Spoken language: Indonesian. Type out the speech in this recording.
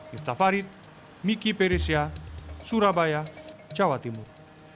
yuta farid miki perisya surabaya jawa timur